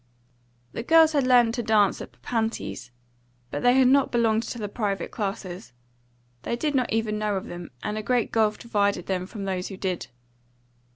The girls had learned to dance at Papanti's; but they had not belonged to the private classes. They did not even know of them, and a great gulf divided them from those who did.